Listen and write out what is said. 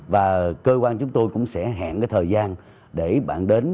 và cơ quan chúng tôi cũng sẽ hẹn cái thời gian để bạn đến